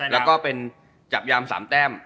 และก็เป็นจับยามสามแต้ม